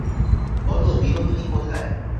বলো, বিনোদিনী কোথায়।